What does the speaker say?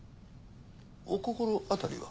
お心当たりは？